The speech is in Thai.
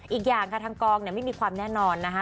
อีกอย่างค่ะทางกองเนี่ยไม่มีความแน่นอนนะคะ